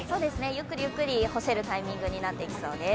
ゆっくりゆっくり干せるタイミングになっていきそうです。